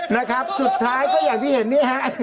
นะครับสุดท้ายก็อย่างที่เห็นเนี่ยฮะ